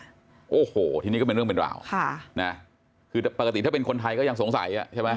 ว่าในทีนี้ก็เป็นเรื่องเป็นราวประกาศถ้าเป็นคนไทยก็ยังสงสัย